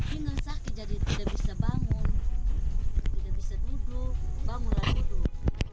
pinggang sakit jadi tidak bisa bangun tidak bisa duduk bangun lagi dulu